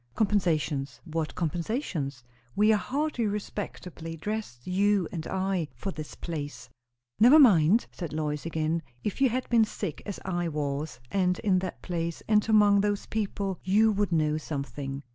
"Compensations! What compensations? We are hardly respectably dressed, you and I, for this place." "Never mind!" said Lois again. "If you had been sick as I was, and in that place, and among those people, you would know something."